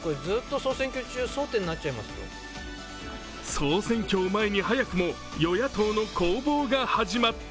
総選挙を前に早くも与野党の攻防が始まった。